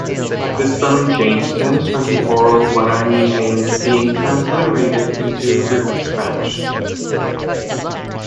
The spelling change stems from the oral Guarani name being transliterated into written Spanish.